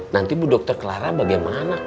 nanti bu dr dalam kelaina bagaimana kok